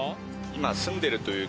今住んでるというか。